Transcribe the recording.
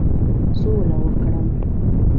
سوله وکړم.